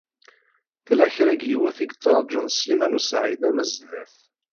Tella kra n yiwet i yettṛajun Sliman u Saɛid Amezdat.